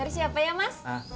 cari siapa ya mas